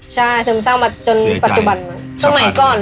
ใช่ซึมเศร้ามาจนปัจจุบันเลยน่ะส่วนใหญ่ก่อนแบบเศร้าเจ็บ